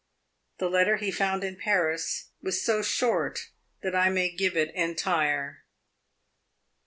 The letter he found in Paris was so short that I may give it entire.